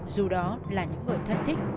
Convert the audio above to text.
dù đó là những người thân thích